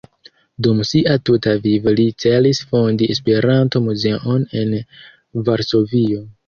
Dum sia tuta vivo li celis fondi Esperanto-muzeon en Varsovio.